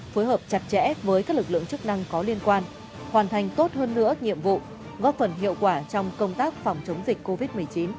phối hợp chặt chẽ với các lực lượng chức năng có liên quan hoàn thành tốt hơn nữa nhiệm vụ góp phần hiệu quả trong công tác phòng chống dịch covid một mươi chín